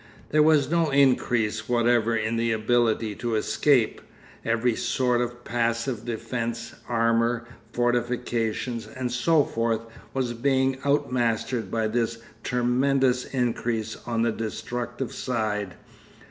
There was no increase whatever in the ability to escape. Every sort of passive defence, armour, fortifications, and so forth, was being outmastered by this tremendous increase on the destructive side.